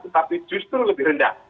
tapi justru lebih rendah